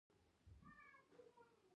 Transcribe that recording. د افغانستان جنګي تاریخ اوږد دی.